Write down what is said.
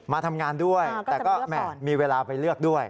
มาทำงานด้วยแต่ก็มีเวลาไปเลือกด้วย